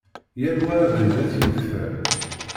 Yal wa abrid ad t-yeḍfer.